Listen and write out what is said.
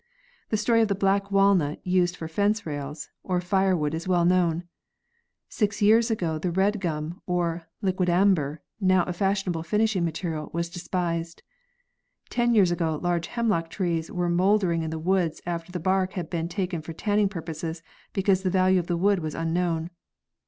The story of the black walnut used for fence rails or fire wood is well known. Six yearsago the red gum or liquidambar, now a fashionable finishing material, was despised. Ten years ago large hemlock trees were mouldering in the woods after the bark had been taken for tanning purposes because the value of the wood was unknown.